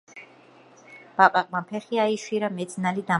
ბაყაყმა ფეხი აიშვირა მეც ნალი დამაკარითო